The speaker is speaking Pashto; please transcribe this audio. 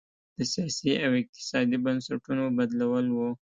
د سیاسي او اقتصادي بنسټونو بدلول و.